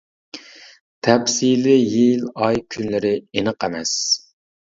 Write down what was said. تەپسىلىي يىل، ئاي، كۈنلىرى ئېنىق ئەمەس.